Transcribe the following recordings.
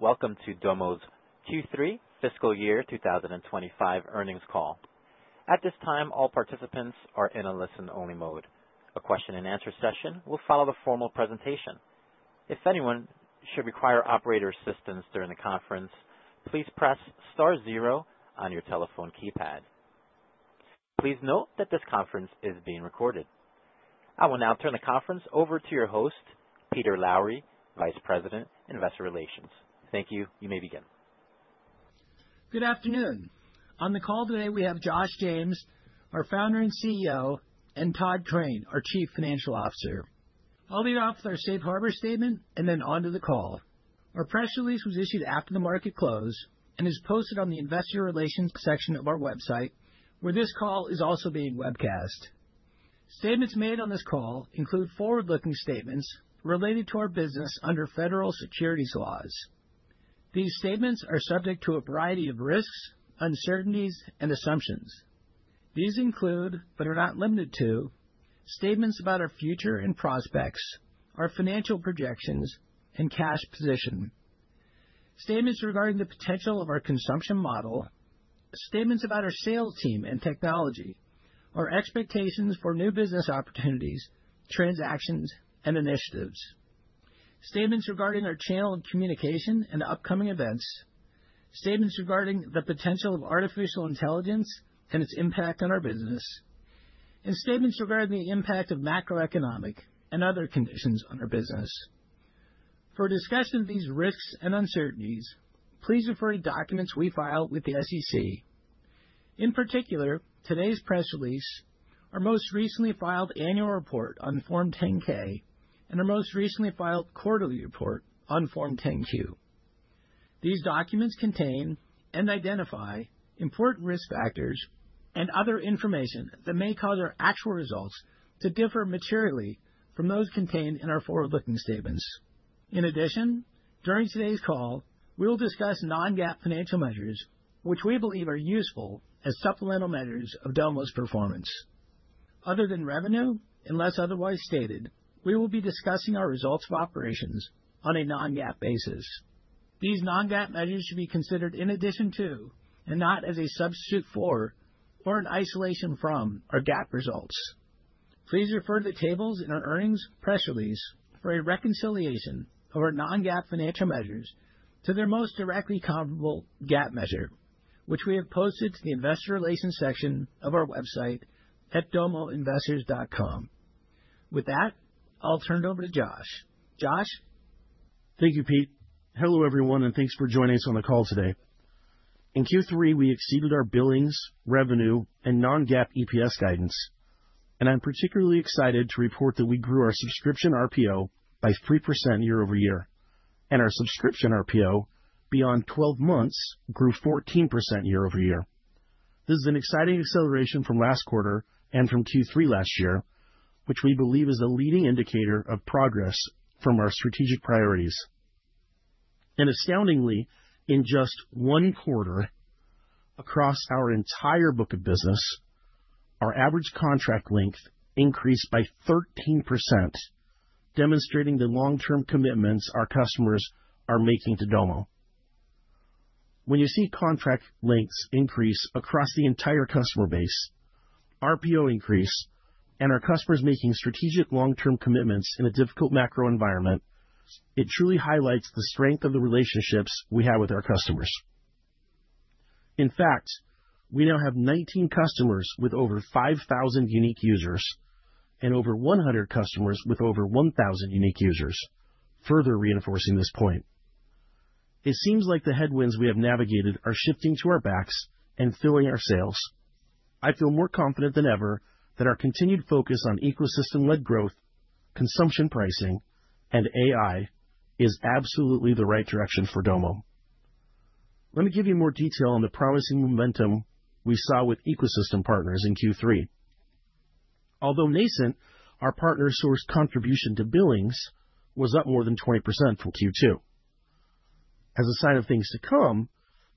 Welcome to Domo's Q3 fiscal year 2025 earnings call. At this time, all participants are in a listen-only mode. A question-and-answer session will follow the formal presentation. If anyone should require operator assistance during the conference, please press star zero on your telephone keypad. Please note that this conference is being recorded. I will now turn the conference over to your host, Peter Lowry, Vice President, Investor Relations. Thank you. You may begin. Good afternoon. On the call today, we have Josh James, our founder and CEO, and Todd Craine, our Chief Financial Officer. I'll lead off with our safe harbor statement and then on to the call. Our press release was issued after the market closed and is posted on the Investor Relations section of our website, where this call is also being webcast. Statements made on this call include forward-looking statements related to our business under federal securities laws. These statements are subject to a variety of risks, uncertainties, and assumptions. These include, but are not limited to, statements about our future and prospects, our financial projections, and cash position. Statements regarding the potential of our consumption model, statements about our sales team and technology, our expectations for new business opportunities, transactions, and initiatives. Statements regarding our channel of communication and upcoming events. Statements regarding the potential of artificial intelligence and its impact on our business, and statements regarding the impact of macroeconomic and other conditions on our business. For discussion of these risks and uncertainties, please refer to documents we file with the SEC. In particular, today's press release, our most recently filed annual report on Form 10-K, and our most recently filed quarterly report on Form 10-Q. These documents contain and identify important risk factors and other information that may cause our actual results to differ materially from those contained in our forward-looking statements. In addition, during today's call, we will discuss non-GAAP financial measures, which we believe are useful as supplemental measures of Domo's performance. Other than revenue, unless otherwise stated, we will be discussing our results of operations on a non-GAAP basis. These non-GAAP measures should be considered in addition to, and not as a substitute for, or an isolation from our GAAP results. Please refer to the tables in our earnings press release for a reconciliation of our non-GAAP financial measures to their most directly comparable GAAP measure, which we have posted to the Investor Relations section of our website at domoinvestors.com. With that, I'll turn it over to Josh. Josh. Thank you, Pete. Hello everyone, and thanks for joining us on the call today. In Q3, we exceeded our billings, revenue, and Non-GAAP EPS guidance, and I'm particularly excited to report that we grew our subscription RPO by 3% year over year, and our subscription RPO beyond 12 months grew 14% year over year. This is an exciting acceleration from last quarter and from Q3 last year, which we believe is a leading indicator of progress from our strategic priorities, and astoundingly, in just one quarter across our entire book of business, our average contract length increased by 13%, demonstrating the long-term commitments our customers are making to Domo. When you see contract lengths increase across the entire customer base, RPO increase, and our customers making strategic long-term commitments in a difficult macro environment, it truly highlights the strength of the relationships we have with our customers. In fact, we now have 19 customers with over 5,000 unique users and over 100 customers with over 1,000 unique users, further reinforcing this point. It seems like the headwinds we have navigated are shifting to our backs and filling our sales. I feel more confident than ever that our continued focus on ecosystem-led growth, consumption pricing, and AI is absolutely the right direction for Domo. Let me give you more detail on the promising momentum we saw with ecosystem partners in Q3. Although nascent, our partner-sourced contribution to billings was up more than 20% from Q2. As a sign of things to come,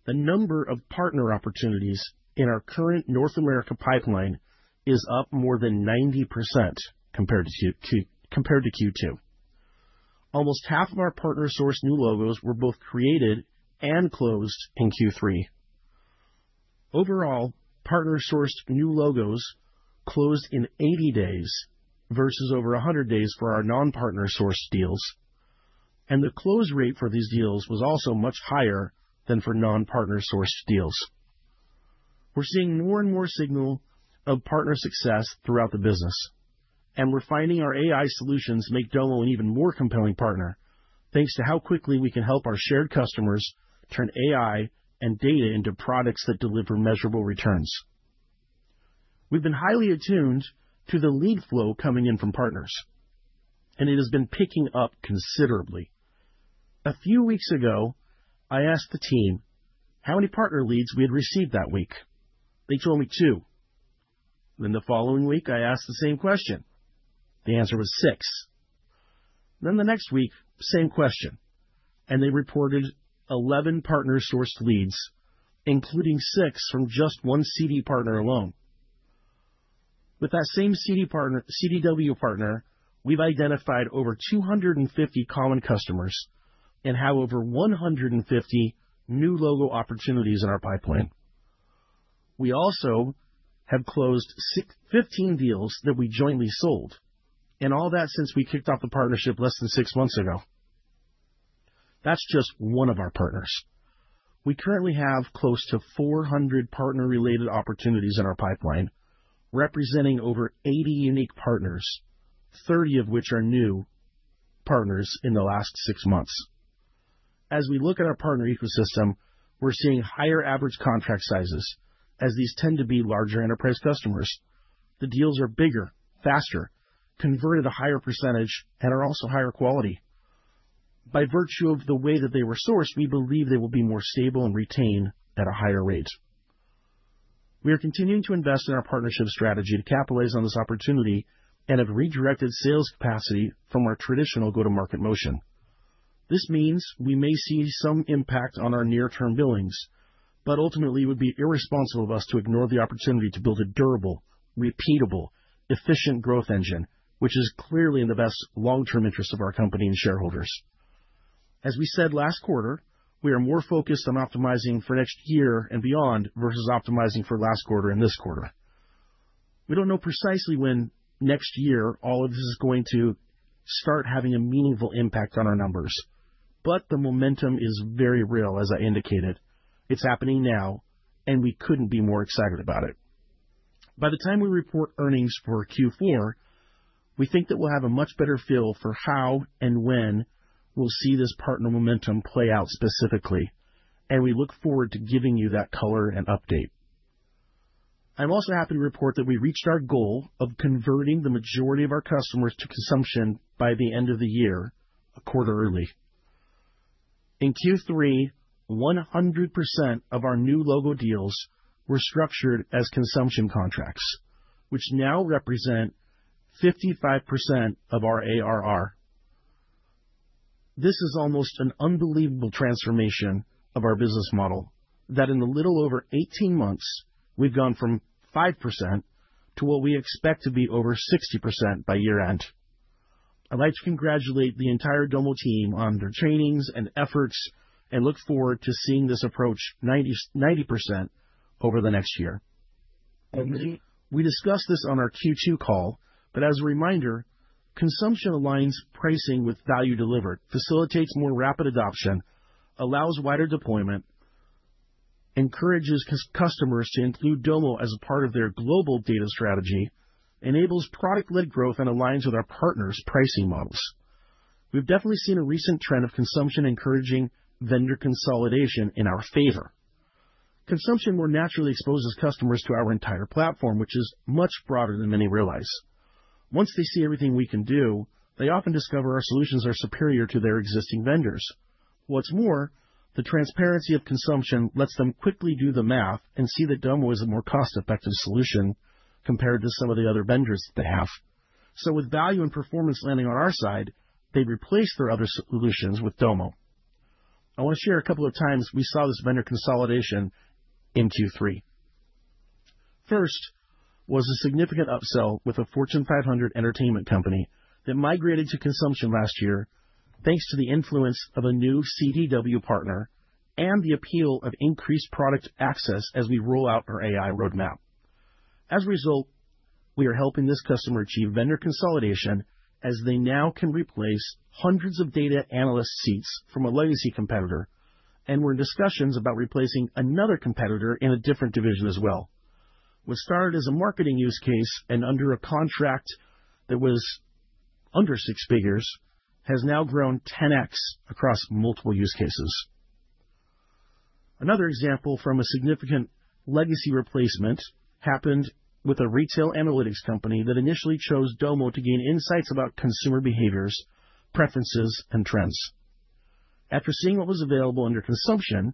the number of partner opportunities in our current North America pipeline is up more than 90% compared to Q2. Almost half of our partner-sourced new logos were both created and closed in Q3. Overall, partner-sourced new logos closed in 80 days versus over 100 days for our non-partner-sourced deals, and the close rate for these deals was also much higher than for non-partner source deals. We're seeing more and more signal of partner success throughout the business, and we're finding our AI solutions make Domo an even more compelling partner, thanks to how quickly we can help our shared customers turn AI and data into products that deliver measurable returns. We've been highly attuned to the lead flow coming in from partners, and it has been picking up considerably. A few weeks ago, I asked the team how many partner leads we had received that week. They told me two, then the following week, I asked the same question. The answer was six. Then the next week, same question, and they reported 11 partner sourced leads, including six from just one CDW partner alone. With that same CDW partner, we've identified over 250 common customers and have over 150 new logo opportunities in our pipeline. We also have closed 15 deals that we jointly sold, and all that since we kicked off the partnership less than six months ago. That's just one of our partners. We currently have close to 400 partner-related opportunities in our pipeline, representing over 80 unique partners, 30 of which are new partners in the last six months. As we look at our partner ecosystem, we're seeing higher average contract sizes, as these tend to be larger enterprise customers. The deals are bigger, faster, converted at a higher percentage, and are also higher quality. By virtue of the way that they were sourced, we believe they will be more stable and retained at a higher rate. We are continuing to invest in our partnership strategy to capitalize on this opportunity and have redirected sales capacity from our traditional go-to-market motion. This means we may see some impact on our near-term billings, but ultimately it would be irresponsible of us to ignore the opportunity to build a durable, repeatable, efficient growth engine, which is clearly in the best long-term interest of our company and shareholders. As we said last quarter, we are more focused on optimizing for next year and beyond versus optimizing for last quarter and this quarter. We don't know precisely when next year all of this is going to start having a meaningful impact on our numbers, but the momentum is very real, as I indicated. It's happening now, and we couldn't be more excited about it. By the time we report earnings for Q4, we think that we'll have a much better feel for how and when we'll see this partner momentum play out specifically, and we look forward to giving you that color and update. I'm also happy to report that we reached our goal of converting the majority of our customers to consumption by the end of the year, a quarter early. In Q3, 100% of our new logo deals were structured as consumption contracts, which now represent 55% of our ARR. This is almost an unbelievable transformation of our business model that in a little over 18 months, we've gone from 5% to what we expect to be over 60% by year-end. I'd like to congratulate the entire Domo team on their trainings and efforts and look forward to seeing this approach 90% over the next year. We discussed this on our Q2 call, but as a reminder, consumption aligns pricing with value delivered, facilitates more rapid adoption, allows wider deployment, encourages customers to include Domo as a part of their global data strategy, enables product-led growth, and aligns with our partners' pricing models. We've definitely seen a recent trend of consumption encouraging vendor consolidation in our favor. Consumption more naturally exposes customers to our entire platform, which is much broader than many realize. Once they see everything we can do, they often discover our solutions are superior to their existing vendors. What's more, the transparency of consumption lets them quickly do the math and see that Domo is a more cost-effective solution compared to some of the other vendors that they have. So with value and performance landing on our side, they've replaced their other solutions with Domo. I want to share a couple of times we saw this vendor consolidation in Q3. First was a significant upsell with a Fortune 500 entertainment company that migrated to consumption last year thanks to the influence of a new CDW partner and the appeal of increased product access as we roll out our AI roadmap. As a result, we are helping this customer achieve vendor consolidation as they now can replace hundreds of data analyst seats from a legacy competitor, and we're in discussions about replacing another competitor in a different division as well. What started as a marketing use case and under a contract that was under six figures has now grown 10X across multiple use cases. Another example from a significant legacy replacement happened with a retail analytics company that initially chose Domo to gain insights about consumer behaviors, preferences, and trends. After seeing what was available under consumption,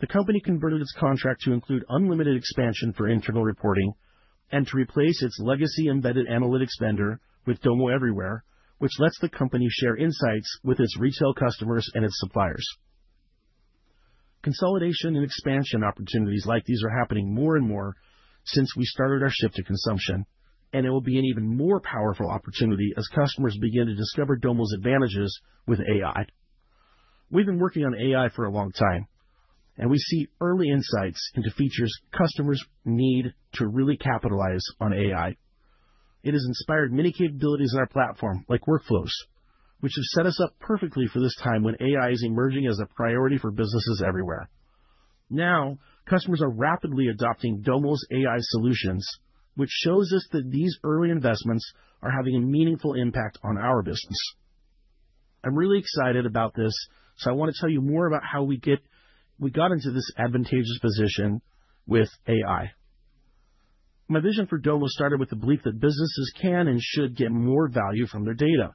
the company converted its contract to include unlimited expansion for internal reporting and to replace its legacy embedded analytics vendor with Domo Everywhere, which lets the company share insights with its retail customers and its suppliers. Consolidation and expansion opportunities like these are happening more and more since we started our shift to consumption, and it will be an even more powerful opportunity as customers begin to discover Domo's advantages with AI. We've been working on AI for a long time, and we see early insights into features customers need to really capitalize on AI. It has inspired many capabilities in our platform, like workflows, which have set us up perfectly for this time when AI is emerging as a priority for businesses everywhere. Now, customers are rapidly adopting Domo's AI solutions, which shows us that these early investments are having a meaningful impact on our business. I'm really excited about this, so I want to tell you more about how we got into this advantageous position with AI. My vision for Domo started with the belief that businesses can and should get more value from their data.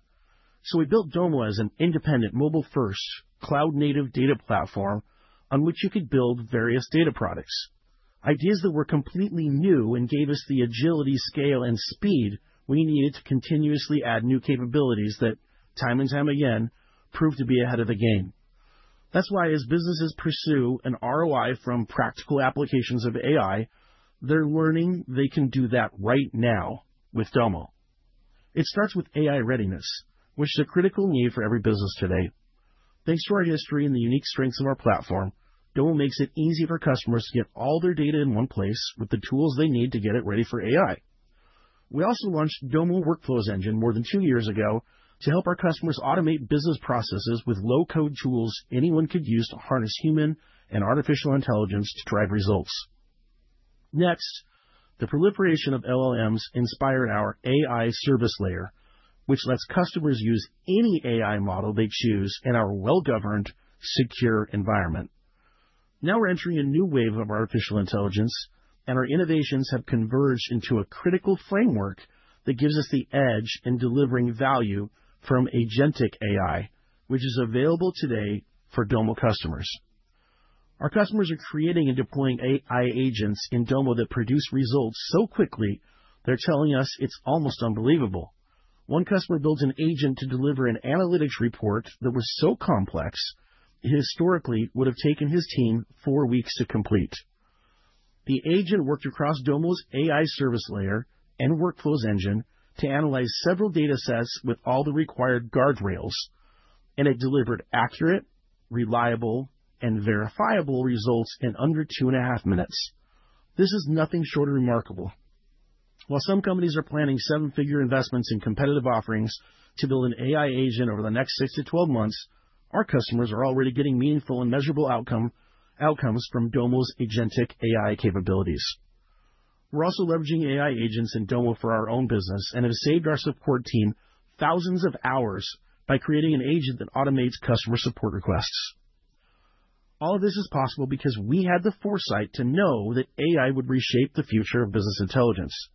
So we built Domo as an independent, mobile-first, cloud-native data platform on which you could build various data products. Ideas that were completely new and gave us the agility, scale, and speed we needed to continuously add new capabilities that time and time again proved to be ahead of the game. That's why as businesses pursue an ROI from practical applications of AI, they're learning they can do that right now with Domo. It starts with AI readiness, which is a critical need for every business today. Thanks to our history and the unique strengths of our platform, Domo makes it easy for customers to get all their data in one place with the tools they need to get it ready for AI. We also launched Domo Workflows Engine more than two years ago to help our customers automate business processes with low-code tools anyone could use to harness human and artificial intelligence to drive results. Next, the proliferation of LLMs inspired our AI Service Layer, which lets customers use any AI model they choose in our well-governed, secure environment. Now we're entering a new wave of artificial intelligence, and our innovations have converged into a critical framework that gives us the edge in delivering value from agentic AI, which is available today for Domo customers. Our customers are creating and deploying AI agents in Domo that produce results so quickly they're telling us it's almost unbelievable. One customer built an agent to deliver an analytics report that was so complex it historically would have taken his team four weeks to complete. The agent worked across Domo's AI Service Layer and Workflows Engine to analyze several data sets with all the required guardrails, and it delivered accurate, reliable, and verifiable results in under two and a half minutes. This is nothing short of remarkable. While some companies are planning seven-figure investments in competitive offerings to build an AI agent over the next 6 to 12 months, our customers are already getting meaningful and measurable outcomes from Domo's agentic AI capabilities. We're also leveraging AI agents in Domo for our own business and have saved our support team thousands of hours by creating an agent that automates customer support requests. All of this is possible because we had the foresight to know that AI would reshape the future of business intelligence.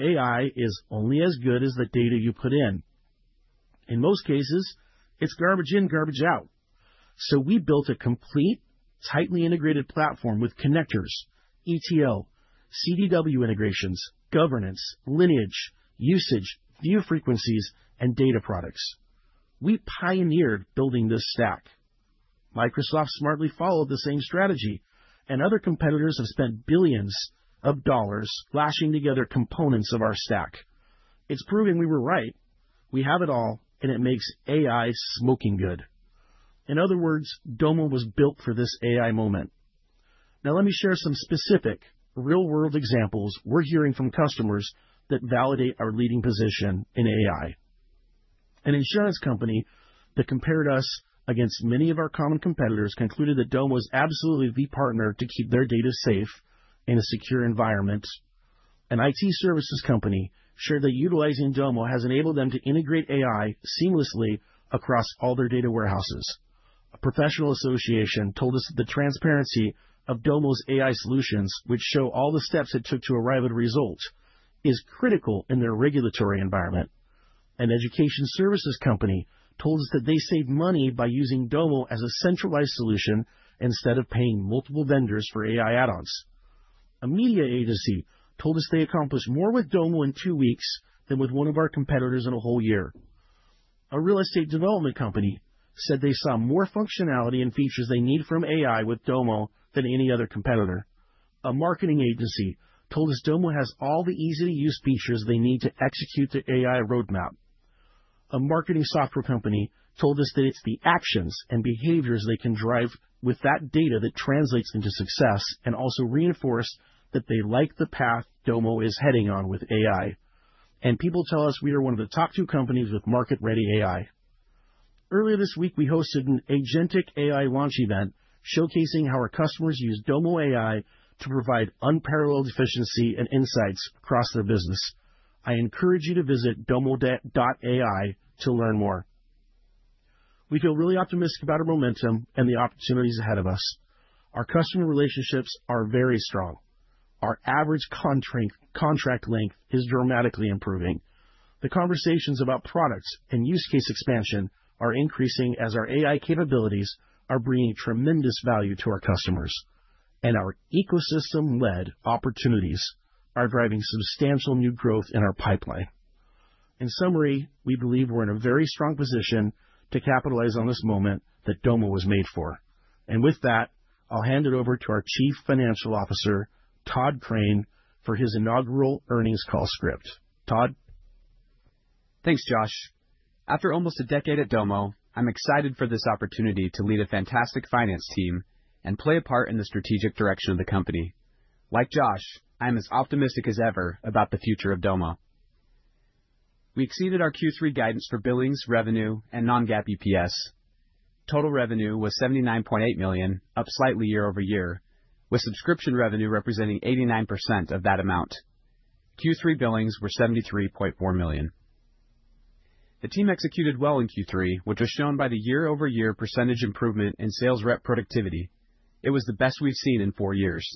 AI is only as good as the data you put in. In most cases, it's garbage in, garbage out. So we built a complete, tightly integrated platform with connectors, ETL, CDW integrations, governance, lineage, usage, view frequencies, and data products. We pioneered building this stack. Microsoft smartly followed the same strategy, and other competitors have spent billions of dollars lashing together components of our stack. It's proving we were right. We have it all, and it makes AI smoking good. In other words, Domo was built for this AI moment. Now let me share some specific real-world examples we're hearing from customers that validate our leading position in AI. An insurance company that compared us against many of our common competitors concluded that Domo is absolutely the partner to keep their data safe in a secure environment. An IT services company shared that utilizing Domo has enabled them to integrate AI seamlessly across all their data warehouses. A professional association told us that the transparency of Domo's AI solutions, which show all the steps it took to arrive at a result, is critical in their regulatory environment. An education services company told us that they saved money by using Domo as a centralized solution instead of paying multiple vendors for AI add-ons. A media agency told us they accomplished more with Domo in two weeks than with one of our competitors in a whole year. A real estate development company said they saw more functionality and features they need from AI with Domo than any other competitor. A marketing agency told us Domo has all the easy-to-use features they need to execute the AI roadmap. A marketing software company told us that it's the actions and behaviors they can drive with that data that translates into success and also reinforced that they like the path Domo is heading on with AI, and people tell us we are one of the top two companies with market-ready AI. Earlier this week, we hosted an agentic AI launch event showcasing how our customers use Domo AI to provide unparalleled efficiency and insights across their business. I encourage you to visit domo.ai to learn more. We feel really optimistic about our momentum and the opportunities ahead of us. Our customer relationships are very strong. Our average contract length is dramatically improving. The conversations about products and use case expansion are increasing as our AI capabilities are bringing tremendous value to our customers, and our ecosystem-led opportunities are driving substantial new growth in our pipeline. In summary, we believe we're in a very strong position to capitalize on this moment that Domo was made for, and with that, I'll hand it over to our Chief Financial Officer, Todd Craine, for his inaugural earnings call script. Todd. Thanks, Josh. After almost a decade at Domo, I'm excited for this opportunity to lead a fantastic finance team and play a part in the strategic direction of the company. Like Josh, I'm as optimistic as ever about the future of Domo. We exceeded our Q3 guidance for billings, revenue, and non-GAAP EPS. Total revenue was $79.8 million, up slightly year over year, with subscription revenue representing 89% of that amount. Q3 billings were $73.4 million. The team executed well in Q3, which was shown by the year-over-year percentage improvement in sales rep productivity. It was the best we've seen in four years.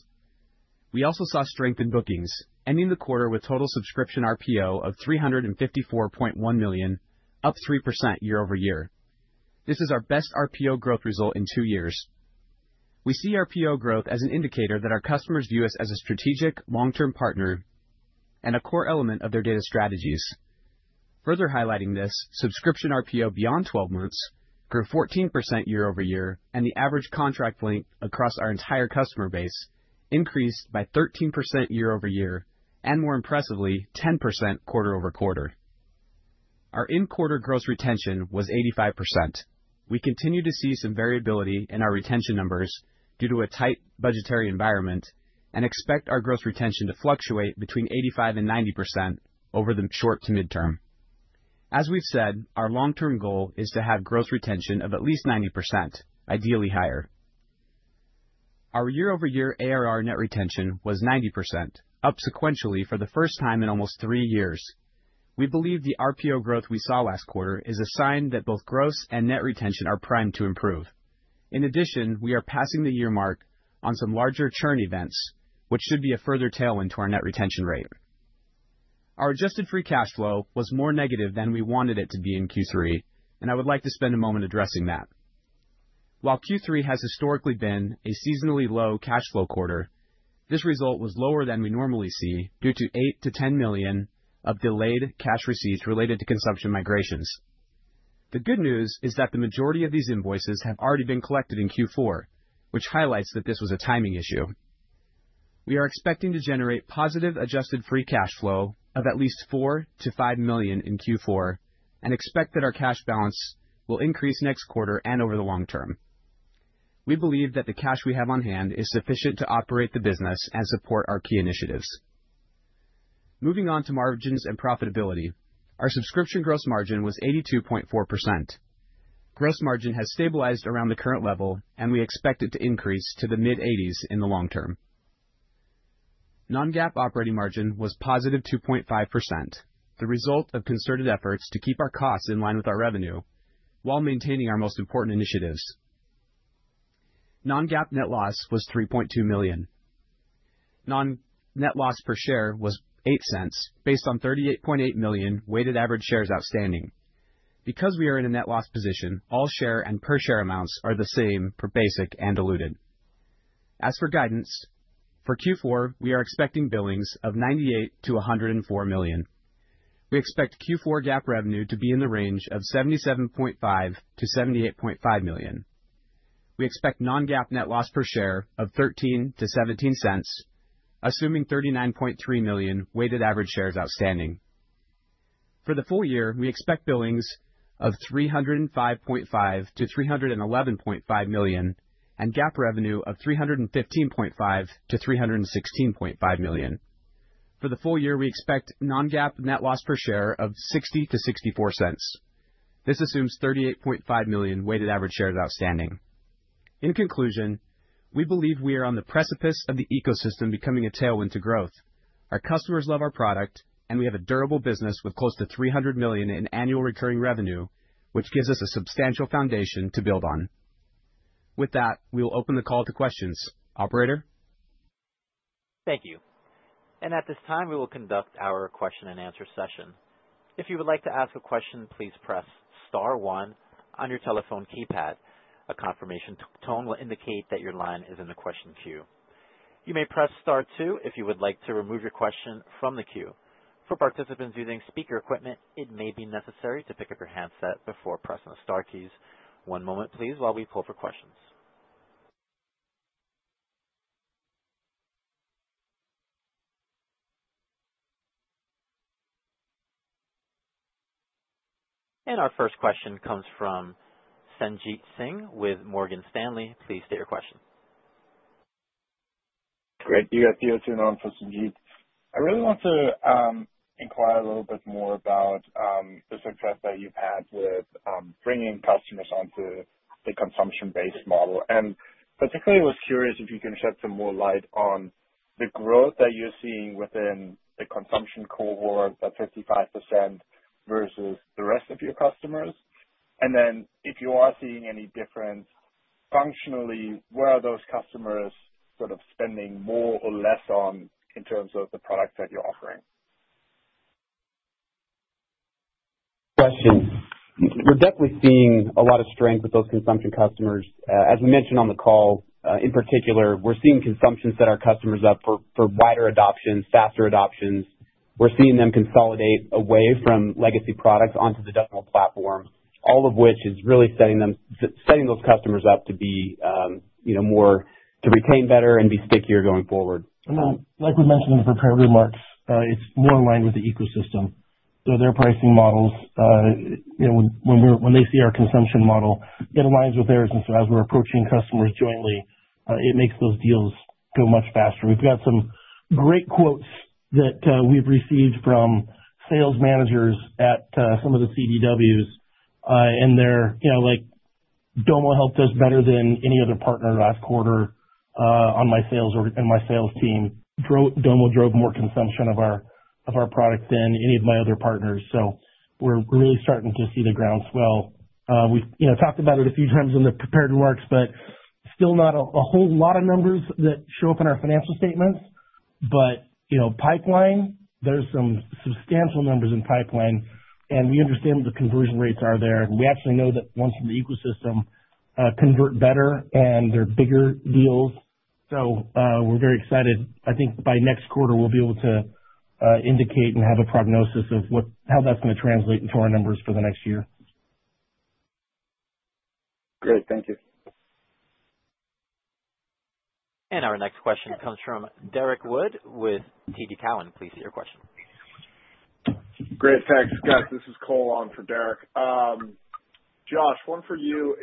We also saw strength in bookings, ending the quarter with total subscription RPO of $354.1 million, up 3% year over year. This is our best RPO growth result in two years. We see RPO growth as an indicator that our customers view us as a strategic, long-term partner and a core element of their data strategies. Further highlighting this, subscription RPO beyond 12 months grew 14% year over year, and the average contract length across our entire customer base increased by 13% year over year, and more impressively, 10% quarter over quarter. Our in-quarter gross retention was 85%. We continue to see some variability in our retention numbers due to a tight budgetary environment and expect our gross retention to fluctuate between 85% and 90% over the short to midterm. As we've said, our long-term goal is to have gross retention of at least 90%, ideally higher. Our year-over-year ARR net retention was 90%, up sequentially for the first time in almost three years. We believe the RPO growth we saw last quarter is a sign that both gross and net retention are primed to improve. In addition, we are passing the year mark on some larger churn events, which should be a further tailwind to our net retention rate. Our adjusted free cash flow was more negative than we wanted it to be in Q3, and I would like to spend a moment addressing that. While Q3 has historically been a seasonally low cash flow quarter, this result was lower than we normally see due to $8-$10 million of delayed cash receipts related to consumption migrations. The good news is that the majority of these invoices have already been collected in Q4, which highlights that this was a timing issue. We are expecting to generate positive adjusted free cash flow of at least $4-$5 million in Q4 and expect that our cash balance will increase next quarter and over the long term. We believe that the cash we have on hand is sufficient to operate the business and support our key initiatives. Moving on to margins and profitability, our subscription gross margin was 82.4%. Gross margin has stabilized around the current level, and we expect it to increase to the mid-80s in the long term. Non-GAAP operating margin was positive 2.5%, the result of concerted efforts to keep our costs in line with our revenue while maintaining our most important initiatives. Non-GAAP net loss was $3.2 million. Non-GAAP net loss per share was $0.08 based on $38.8 million weighted average shares outstanding. Because we are in a net loss position, all share and per share amounts are the same for basic and diluted. As for guidance, for Q4, we are expecting billings of $98-$104 million. We expect Q4 GAAP revenue to be in the range of $77.5-$78.5 million. We expect non-GAAP net loss per share of $0.13-$0.17, assuming $39.3 million weighted average shares outstanding. For the full year, we expect billings of $305.5-$311.5 million and GAAP revenue of $315.5-$316.5 million. For the full year, we expect non-GAAP net loss per share of $0.60-$0.64. This assumes $38.5 million weighted average shares outstanding. In conclusion, we believe we are on the precipice of the ecosystem becoming a tailwind to growth. Our customers love our product, and we have a durable business with close to $300 million in annual recurring revenue, which gives us a substantial foundation to build on. With that, we will open the call to questions. Operator? Thank you. And at this time, we will conduct our question-and-answer session. If you would like to ask a question, please press Star 1 on your telephone keypad. A confirmation tone will indicate that your line is in the question queue. You may press Star 2 if you would like to remove your question from the queue. For participants using speaker equipment, it may be necessary to pick up your handset before pressing the Star keys. One moment, please, while we pull for questions. And our first question comes from Sanjit Singh with Morgan Stanley. Please state your question. Great. You got the answer now for Sanjit. I really want to inquire a little bit more about the success that you've had with bringing customers onto the consumption-based model, and particularly, I was curious if you can shed some more light on the growth that you're seeing within the consumption cohort, that 55% versus the rest of your customers, and then if you are seeing any difference functionally, where are those customers sort of spending more or less on in terms of the product that you're offering? We're definitely seeing a lot of strength with those consumption customers. As we mentioned on the call, in particular, we're seeing consumption set our customers up for wider adoptions, faster adoptions. We're seeing them consolidate away from legacy products onto the Domo platform, all of which is really setting those customers up to retain better and be stickier going forward. Like we mentioned in the prepared remarks, it's more in line with the ecosystem. So their pricing models, when they see our consumption model, it aligns with theirs. And so as we're approaching customers jointly, it makes those deals go much faster. We've got some great quotes that we've received from sales managers at some of the CDWs. And Domo helped us better than any other partner last quarter on my sales and my sales team. Domo drove more consumption of our product than any of my other partners. So we're really starting to see the groundswell. We've talked about it a few times in the prepared remarks, but still not a whole lot of numbers that show up in our financial statements. But pipeline, there's some substantial numbers in pipeline. And we understand the conversion rates are there. And we actually know that once in the ecosystem, convert better, and they're bigger deals. So we're very excited. I think by next quarter, we'll be able to indicate and have a prognosis of how that's going to translate into our numbers for the next year. Great. Thank you. And our next question comes from Derrick Wood with TD Cowen. Please state your question. Great. Thanks, guys. This is Cole on for Derek. Josh, one for you.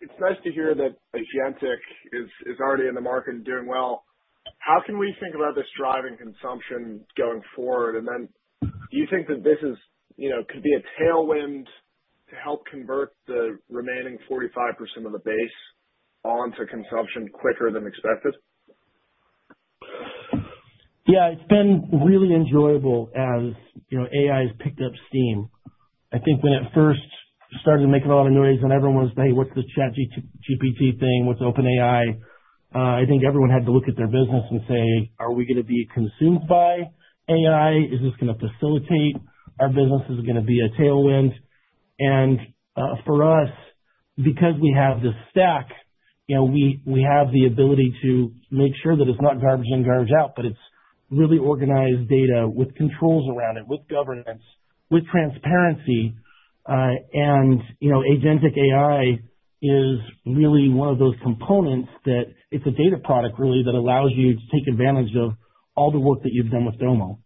It's nice to hear that Agentic is already in the market and doing well. How can we think about this driving consumption going forward? And then do you think that this could be a tailwind to help convert the remaining 45% of the base onto consumption quicker than expected? Yeah. It's been really enjoyable as AI has picked up steam. I think when it first started to make a lot of noise and everyone was, "Hey, what's the ChatGPT thing? What's OpenAI?" I think everyone had to look at their business and say, "Are we going to be consumed by AI? Is this going to facilitate our business? Is it going to be a tailwind?" And for us, because we have the stack, we have the ability to make sure that it's not garbage in, garbage out, but it's really organized data with controls around it, with governance, with transparency. And Agentic AI is really one of those components that it's a data product, really, that allows you to take advantage of all the work that you've done with Domo.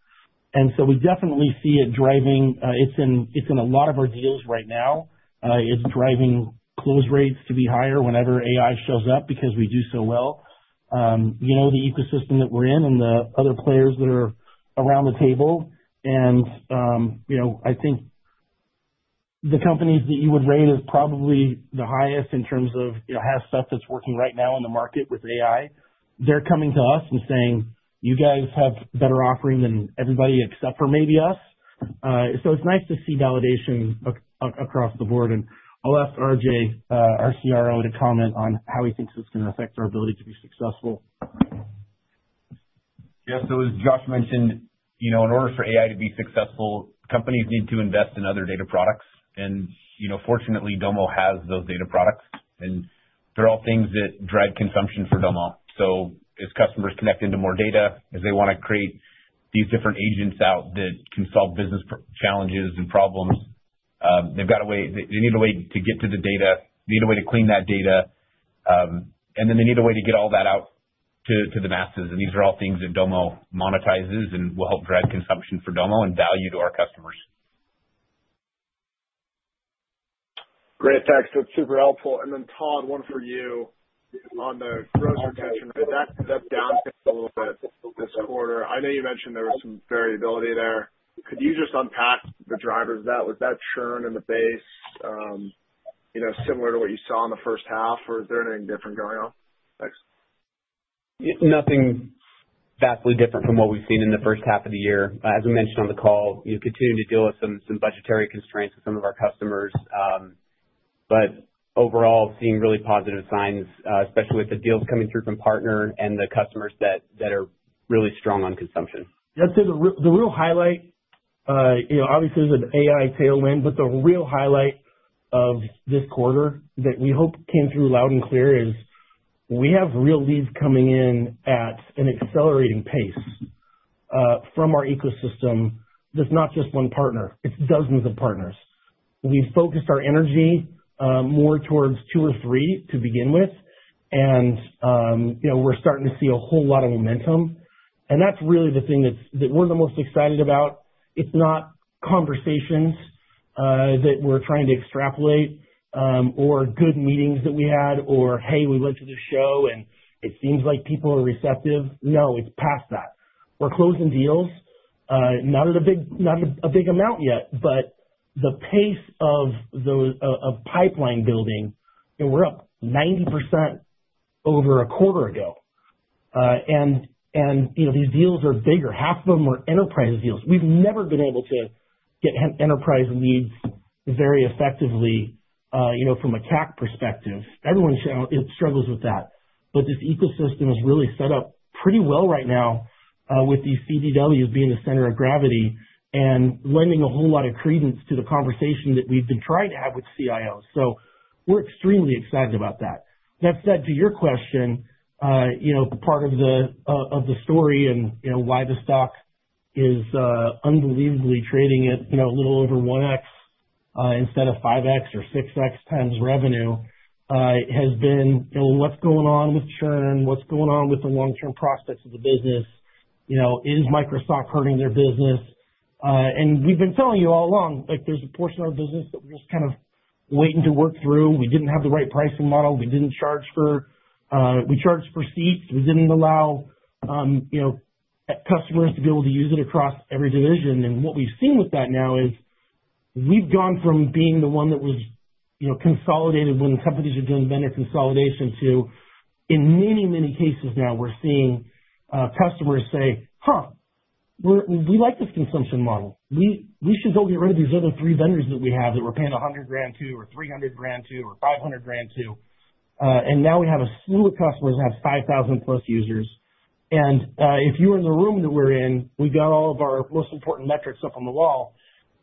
And so we definitely see it driving. It's in a lot of our deals right now. It's driving close rates to be higher whenever AI shows up because we do so well. You know the ecosystem that we're in and the other players that are around the table, and I think the companies that you would rate as probably the highest in terms of have stuff that's working right now in the market with AI, they're coming to us and saying, "You guys have better offering than everybody except for maybe us," so it's nice to see validation across the board, and I'll ask RJ, our CRO, to comment on how he thinks it's going to affect our ability to be successful. Yeah, so as Josh mentioned, in order for AI to be successful, companies need to invest in other data products, and fortunately, Domo has those data products, and they're all things that drive consumption for Domo. So as customers connect into more data, as they want to create these different agents out that can solve business challenges and problems, they've got a way they need a way to get to the data. They need a way to clean that data, and then they need a way to get all that out to the masses, and these are all things that Domo monetizes and will help drive consumption for Domo and value to our customers. Great. Thanks. That's super helpful, and then, Todd, one for you on the gross retention. That downticked a little bit this quarter. I know you mentioned there was some variability there. Could you just unpack the drivers of that? Was that churn in the base similar to what you saw in the first half, or is there anything different going on? Thanks. Nothing vastly different from what we've seen in the first half of the year. As we mentioned on the call, continuing to deal with some budgetary constraints with some of our customers. But overall, seeing really positive signs, especially with the deals coming through from partners and the customers that are really strong on consumption. Yeah. The real highlight, obviously, is an AI tailwind, but the real highlight of this quarter that we hope came through loud and clear is we have real leads coming in at an accelerating pace from our ecosystem. There's not just one partner. It's dozens of partners. We've focused our energy more towards two or three to begin with, and we're starting to see a whole lot of momentum, and that's really the thing that we're the most excited about. It's not conversations that we're trying to extrapolate or good meetings that we had or, "Hey, we went to this show, and it seems like people are receptive." No, it's past that. We're closing deals, not at a big amount yet, but the pace of pipeline building, we're up 90% over a quarter ago. And these deals are bigger. Half of them are enterprise deals. We've never been able to get enterprise leads very effectively from a CAC perspective. Everyone struggles with that. But this ecosystem is really set up pretty well right now with these CDWs being the center of gravity and lending a whole lot of credence to the conversation that we've been trying to have with CIOs. So we're extremely excited about that. That said, to your question, part of the story and why the stock is unbelievably trading at a little over 1x instead of 5x or 6x times revenue has been, "Well, what's going on with churn? What's going on with the long-term prospects of the business? Is Microsoft hurting their business?" And we've been telling you all along, there's a portion of our business that we're just kind of waiting to work through. We didn't have the right pricing model. We didn't charge for seats. We didn't allow customers to be able to use it across every division. And what we've seen with that now is we've gone from being the one that was consolidated when companies are doing vendor consolidation to, in many, many cases now, we're seeing customers say, "Huh, we like this consumption model. We should go get rid of these other three vendors that we have that we're paying $100,000 to or $300,000 to or $500,000 to." And now we have a slew of customers that have 5,000 plus users. And if you were in the room that we're in, we've got all of our most important metrics up on the wall.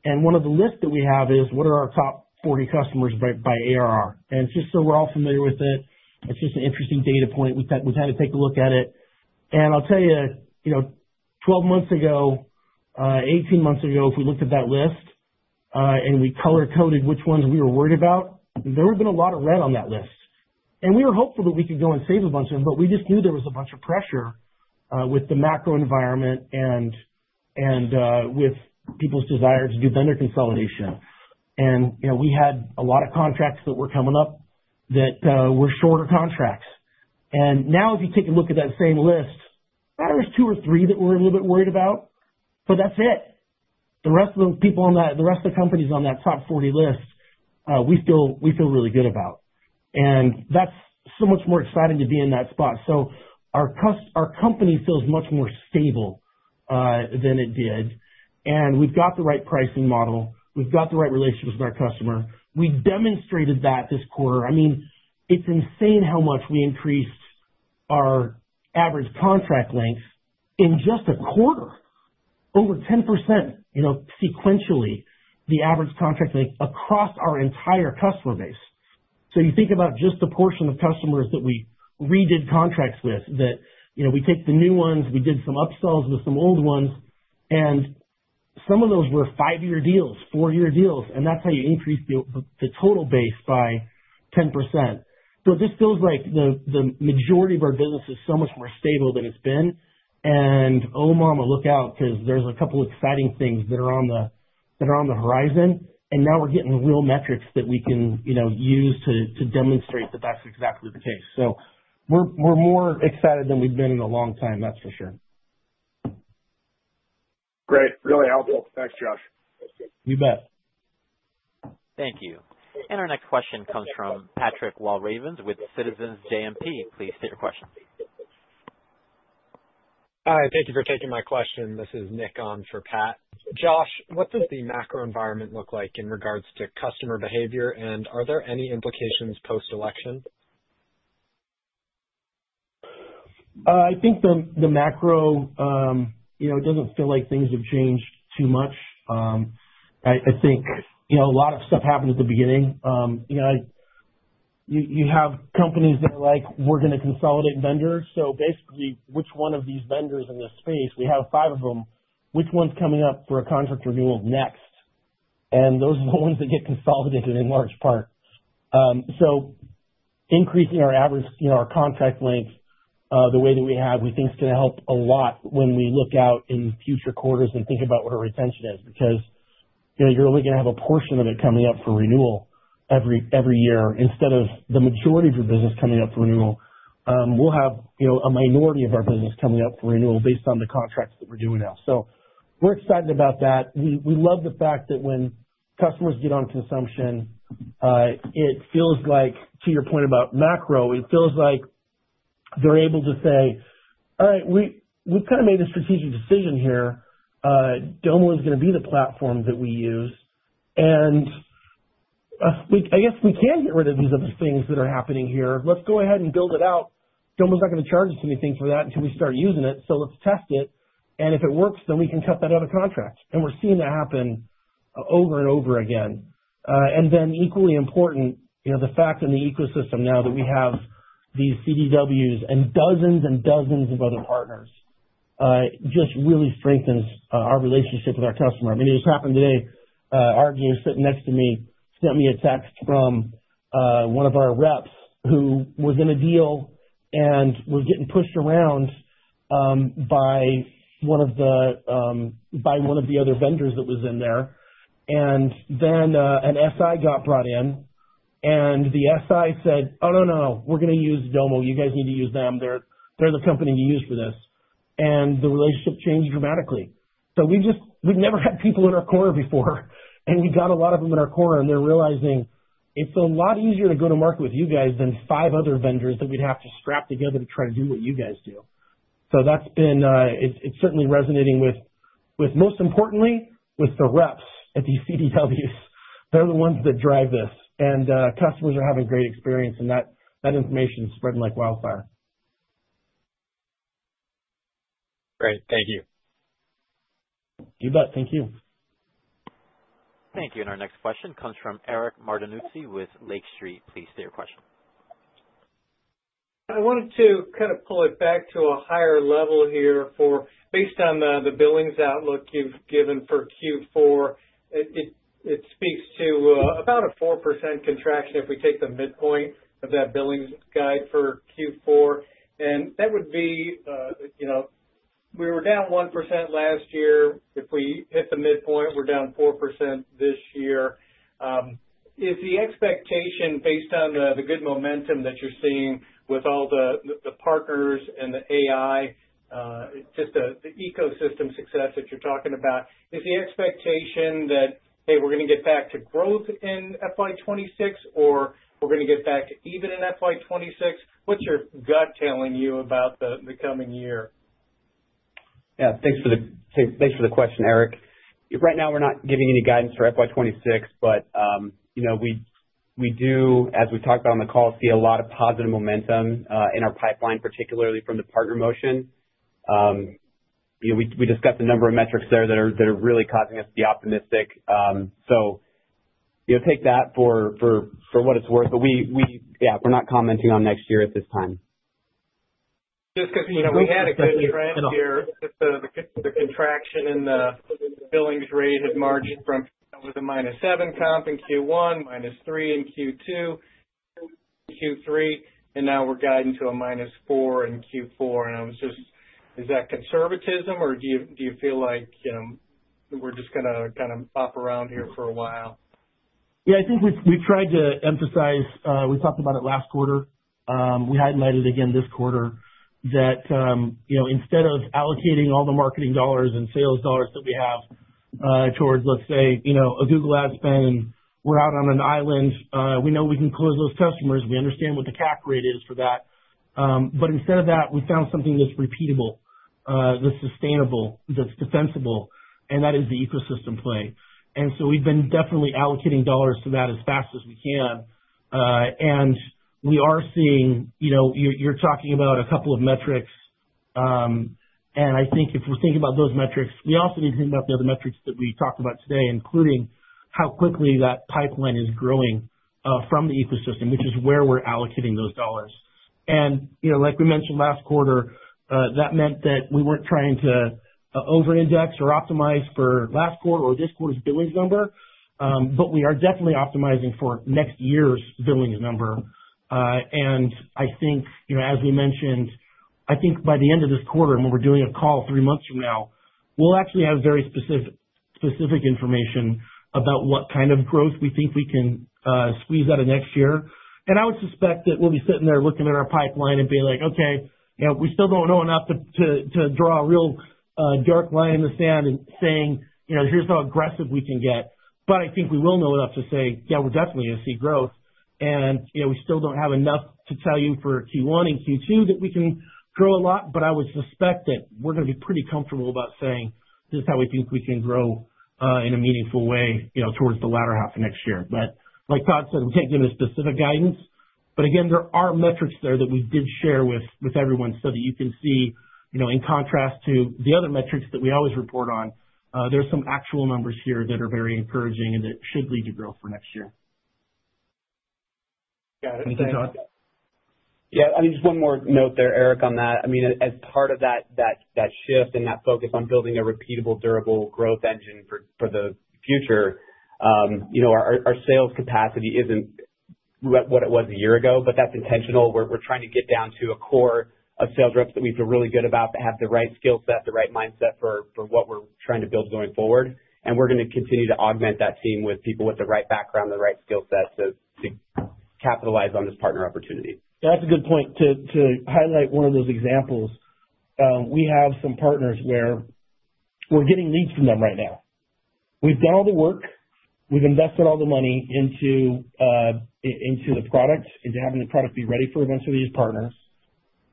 And one of the lists that we have is, "What are our top 40 customers by ARR?" And it's just so we're all familiar with it. It's just an interesting data point. We've had to take a look at it. And I'll tell you, 12 months ago, 18 months ago, if we looked at that list and we color-coded which ones we were worried about, there would have been a lot of red on that list. And we were hopeful that we could go and save a bunch of them, but we just knew there was a bunch of pressure with the macro environment and with people's desire to do vendor consolidation. And we had a lot of contracts that were coming up that were shorter contracts. And now, if you take a look at that same list, there's two or three that we're a little bit worried about, but that's it. The rest of the people on that, the rest of the companies on that top 40 list, we feel really good about. And that's so much more exciting to be in that spot. So our company feels much more stable than it did. And we've got the right pricing model. We've got the right relationships with our customer. We demonstrated that this quarter. I mean, it's insane how much we increased our average contract length in just a quarter, over 10% sequentially, the average contract length across our entire customer base. So you think about just the portion of customers that we redid contracts with, that we take the new ones, we did some upsells with some old ones, and some of those were five-year deals, four-year deals. And that's how you increase the total base by 10%. So it just feels like the majority of our business is so much more stable than it's been. And, "Oh, mama, look out," because there's a couple of exciting things that are on the horizon. And now we're getting real metrics that we can use to demonstrate that that's exactly the case. So we're more excited than we've been in a long time, that's for sure. Great. Really helpful. Thanks, Josh. Y ou bet. Thank you. Our next question comes from Patrick Walravens with Citizens JMP. Please state your question. Hi. Thank you for taking my question. This is Nick on for Pat. Josh, what does the macro environment look like in regards to customer behavior, and are there any implications post-election? I think the macro, it doesn't feel like things have changed too much. I think a lot of stuff happened at the beginning. You have companies that are like, "We're going to consolidate vendors." So basically, which one of these vendors in this space, we have five of them, which one's coming up for a contract renewal next? And those are the ones that get consolidated in large part. So increasing our contract length the way that we have, we think is going to help a lot when we look out in future quarters and think about what our retention is because you're only going to have a portion of it coming up for renewal every year instead of the majority of your business coming up for renewal. We'll have a minority of our business coming up for renewal based on the contracts that we're doing now. So we're excited about that. We love the fact that when customers get on consumption, it feels like, to your point about macro, it feels like they're able to say, "All right, we've kind of made a strategic decision here. Domo is going to be the platform that we use. And I guess we can get rid of these other things that are happening here. Let's go ahead and build it out. Domo's not going to charge us anything for that until we start using it. So let's test it. And if it works, then we can cut that out of contracts." And we're seeing that happen over and over again. And then equally important, the fact in the ecosystem now that we have these CDWs and dozens and dozens of other partners just really strengthens our relationship with our customer. I mean, it just happened today. Our guy sitting next to me sent me a text from one of our reps who was in a deal and was getting pushed around by one of the other vendors that was in there. And then an SI got brought in, and the SI said, "Oh, no, no, no. We're going to use Domo. You guys need to use them. They're the company you use for this." And the relationship changed dramatically. So we've never had people in our corner before, and we got a lot of them in our corner, and they're realizing it's a lot easier to go to market with you guys than five other vendors that we'd have to strap together to try to do what you guys do. So that's been certainly resonating with, most importantly, with the reps at these CDWs. They're the ones that drive this. And customers are having great experience, and that information is spreading like wildfire. Great. Thank you. You bet. Thank you. Thank you. And our next question comes from Eric Martinuzzi with Lake Street. Please state your question. I wanted to kind of pull it back to a higher level here, based on the billings outlook you've given for Q4. It speaks to about a 4% contraction if we take the midpoint of that billings guide for Q4. That would be we were down 1% last year. If we hit the midpoint, we're down 4% this year. Is the expectation based on the good momentum that you're seeing with all the partners and the AI, just the ecosystem success that you're talking about, is the expectation that, "Hey, we're going to get back to growth in FY26," or, "We're going to get back to even in FY26?" What's your gut telling you about the coming year? Yeah. Thanks for the question, Eric. Right now, we're not giving any guidance for FY26, but we do, as we talked about on the call, see a lot of positive momentum in our pipeline, particularly from the partner motion. We discussed a number of metrics there that are really causing us to be optimistic. Take that for what it's worth. But yeah, we're not commenting on next year at this time. Just because we had a good trend here. Just the contraction in the billings rate had marched from. It was a minus 7 comp in Q1, minus 3 in Q2, Q3, and now we're guiding to a minus 4 in Q4. And I was just, is that conservatism, or do you feel like we're just going to kind of bop around here for a while? Yeah. I think we've tried to emphasize we talked about it last quarter. We highlighted it again this quarter, that instead of allocating all the marketing dollars and sales dollars that we have towards, let's say, a Google ad spend, and we're out on an island, we know we can close those customers. We understand what the CAC rate is for that. But instead of that, we found something that's repeatable, that's sustainable, that's defensible, and that is the ecosystem play, and so we've been definitely allocating dollars to that as fast as we can, and we are seeing you're talking about a couple of metrics, and I think if we're thinking about those metrics, we also need to think about the other metrics that we talked about today, including how quickly that pipeline is growing from the ecosystem, which is where we're allocating those dollars, and like we mentioned last quarter, that meant that we weren't trying to over-index or optimize for last quarter or this quarter's billings number, but we are definitely optimizing for next year's billings number. And I think, as we mentioned, I think by the end of this quarter, when we're doing a call three months from now, we'll actually have very specific information about what kind of growth we think we can squeeze out of next year. And I would suspect that we'll be sitting there looking at our pipeline and being like, "Okay, we still don't know enough to draw a real dark line in the sand and saying, 'Here's how aggressive we can get.'" But I think we will know enough to say, "Yeah, we're definitely going to see growth." And we still don't have enough to tell you for Q1 and Q2 that we can grow a lot, but I would suspect that we're going to be pretty comfortable about saying, "This is how we think we can grow in a meaningful way towards the latter half of next year." But like Todd said, we can't give any specific guidance. But again, there are metrics there that we did share with everyone so that you can see, in contrast to the other metrics that we always report on, there's some actual numbers here that are very encouraging and that should lead to growth for next year. Got it. Thank you, Todd. Yeah. I mean, just one more note there, Eric, on that. I mean, as part of that shift and that focus on building a repeatable, durable growth engine for the future, our sales capacity isn't what it was a year ago, but that's intentional. We're trying to get down to a core of sales reps that we feel really good about that have the right skill set, the right mindset for what we're trying to build going forward. We're going to continue to augment that team with people with the right background, the right skill set to capitalize on this partner opportunity. Yeah. That's a good point to highlight one of those examples. We have some partners where we're getting leads from them right now. We've done all the work. We've invested all the money into the product, into having the product be ready for eventually these partners.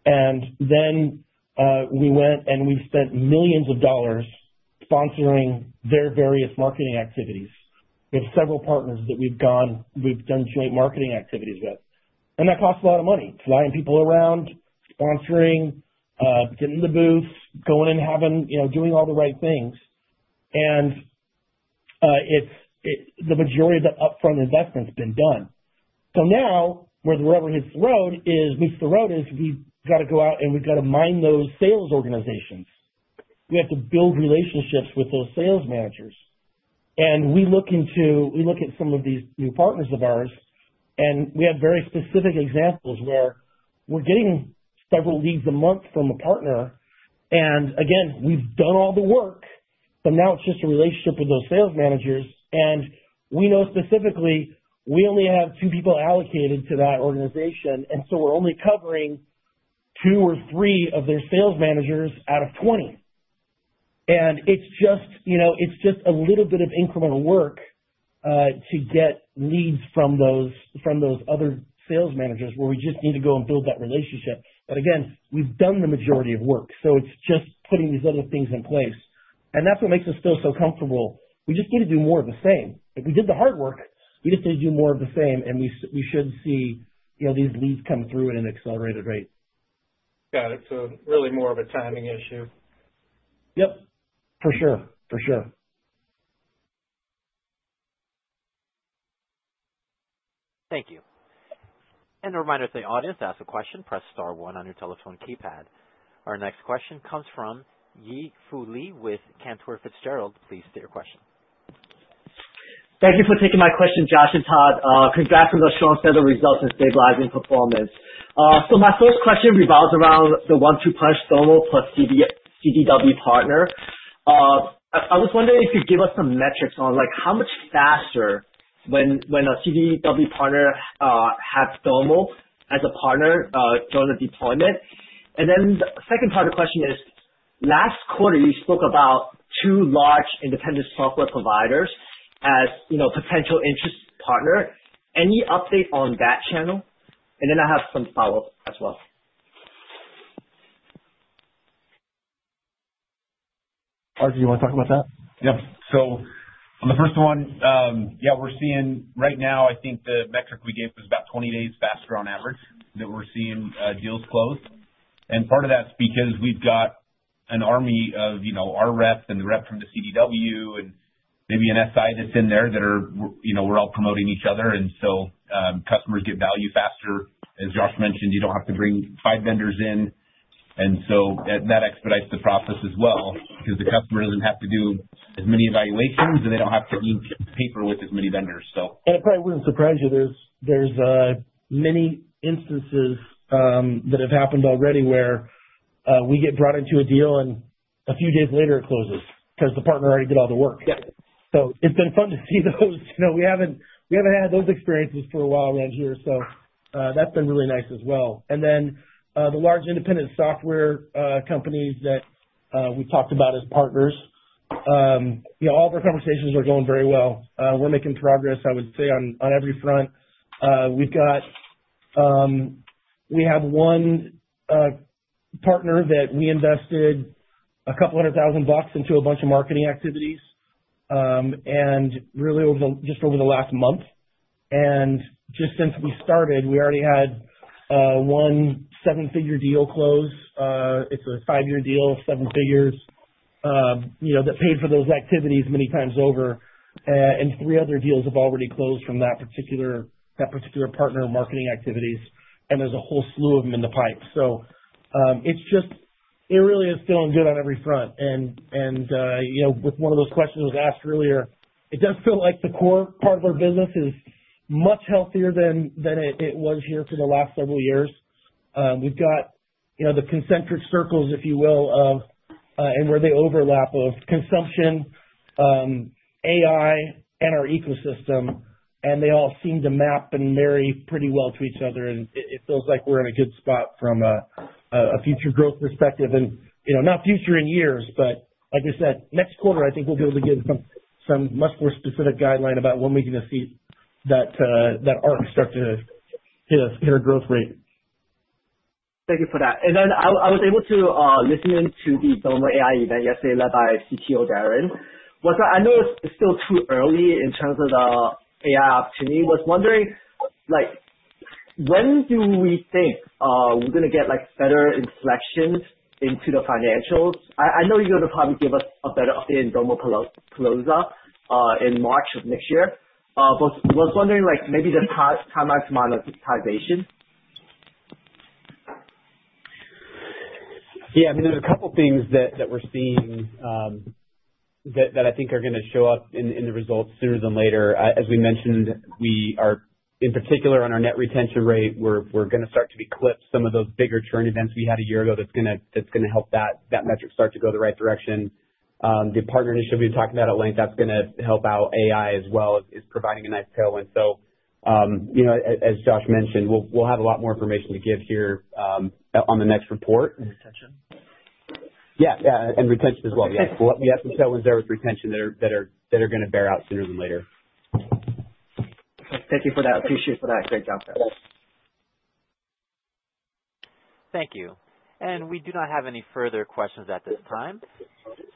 Then we went and we've spent millions of dollars sponsoring their various marketing activities. We have several partners that we've done joint marketing activities with, and that costs a lot of money, flying people around, sponsoring, getting the booths, going and doing all the right things. The majority of that upfront investment's been done, so now where the road is we've got to go out and we've got to mine those sales organizations. We have to build relationships with those sales managers. And we look at some of these new partners of ours, and we have very specific examples where we're getting several leads a month from a partner. And again, we've done all the work, but now it's just a relationship with those sales managers. And we know specifically we only have two people allocated to that organization, and so we're only covering two or three of their sales managers out of 20. And it's just a little bit of incremental work to get leads from those other sales managers where we just need to go and build that relationship. But again, we've done the majority of work, so it's just putting these other things in place. And that's what makes us feel so comfortable. We just need to do more of the same. If we did the hard work, we just need to do more of the same, and we should see these leads come through at an accelerated rate. Got it. So really more of a timing issue. Yep. For sure. For sure. Thank you. And a reminder to the audience, ask a question, press star one on your telephone keypad. Our next question comes from Yi Fu Lee with Cantor Fitzgerald. Please state your question. Thank you for taking my question, Josh and Todd. Congrats on those strong sales results and stabilizing performance. So my first question revolves around the one-two punch Domo plus CDW partner. I was wondering if you could give us some metrics on how much faster when a CDW partner has Domo as a partner during the deployment. And then the second part of the question is, last quarter, you spoke about two large independent software providers as potential interest partners. Any update on that channel? And then I have some follow-up as well. Todd, do you want to talk about that? Yep. So on the first one, yeah, we're seeing right now, I think the metric we gave was about 20 days faster on average that we're seeing deals close. And part of that's because we've got an army of our rep and the rep from the CDW and maybe an SI that's in there that we're all promoting each other. And so customers get value faster, as Josh mentioned. You don't have to bring five vendors in. And so that expedites the process as well because the customer doesn't have to do as many evaluations, and they don't have to ink paper with as many vendors, so. And it probably wouldn't surprise you. There's many instances that have happened already where we get brought into a deal, and a few days later, it closes because the partner already did all the work. So it's been fun to see those. We haven't had those experiences for a while around here, so that's been really nice as well. And then the large independent software companies that we've talked about as partners, all of our conversations are going very well. We're making progress, I would say, on every front. We have one partner that we invested $200,000 into a bunch of marketing activities, and really just over the last month. And just since we started, we already had one seven-figure deal close. It's a five-year deal, seven figures, that paid for those activities many times over. And three other deals have already closed from that particular partner marketing activities. And there's a whole slew of them in the pipe. So it really is feeling good on every front. And with one of those questions that was asked earlier, it does feel like the core part of our business is much healthier than it was here for the last several years. We've got the concentric circles, if you will, and where they overlap of consumption, AI, and our ecosystem, and they all seem to map and marry pretty well to each other. And it feels like we're in a good spot from a future growth perspective. And not future in years, but like I said, next quarter, I think we'll be able to get some much more specific guideline about when we can see that arc start to hit a growth rate. Thank you for that. And then I was able to listen in to the Domo AI event yesterday led by CTO Daren. I know it's still too early in terms of the AI opportunity. I was wondering, when do we think we're going to get better inflections into the financials? I know you're going to probably give us a better update in Domopalooza in March of next year, but I was wondering maybe the timeline for monetization. Yeah. I mean, there's a couple of things that we're seeing that I think are going to show up in the results sooner than later. As we mentioned, in particular, on our net retention rate, we're going to start to eclipse some of those bigger churn events we had a year ago. That's going to help that metric start to go the right direction. The partner initiative we've been talking about at length, that's going to help out AI as well as providing a nice tailwind. So as Josh mentioned, we'll have a lot more information to give here on the next report. And retention. Yeah. Yeah. And retention as well. Yeah. We have some tailwinds there with retention that are going to bear out sooner than later. Thank you for that. Appreciate it for that. Great job there. Thank you. And we do not have any further questions at this time.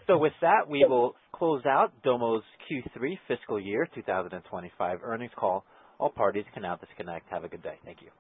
So with that, we will close out Domo's Q3 fiscal year 2025 earnings call. All parties can now disconnect. Have a good day. Thank you.